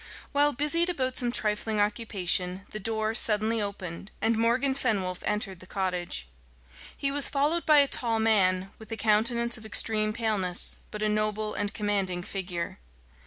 While busied about some trifling occupation, the door suddenly opened, and Morgan Fenwolf entered the cottage. He was followed by a tall man, with a countenance of extreme paleness, but a noble and commanding figure.